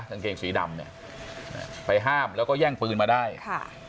กางเกงสีดำเนี่ยไปห้ามแล้วก็แย่งปืนมาได้ค่ะ